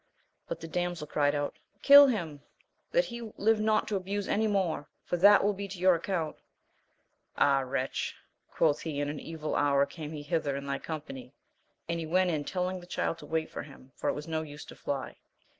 But the damsel cried out, kill him, that he live not to abuse any more, for that will be to your account. Ah, wretch ! quoth he, in an evil hour came he hither in thy company, and he went in telling the Child to wait for him, for it was no use to fly.